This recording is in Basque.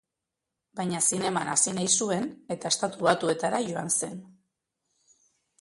Baina zineman hasi nahi zuen eta Estatu Batuetara joan zen.